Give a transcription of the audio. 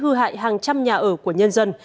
làm tốc mái hư hại hàng trăm nhà ở của nhân dân